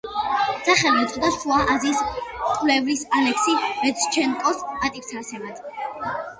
სახელი ეწოდა შუა აზიის მკვლევრის ალექსი ფედჩენკოს პატივსაცემად.